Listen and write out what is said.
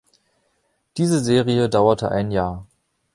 Diese Serie dauerte ein Jahr.